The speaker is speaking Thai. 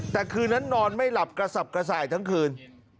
แต่คืนนั้นนอนไม่หลับกระสับกระส่ายทั้งคืน